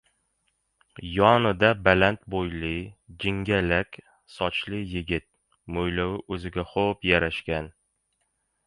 Yonida baland bo‘yli, jingalak sochli yigit. Mo‘ylovi o‘ziga xo‘p yarashgan.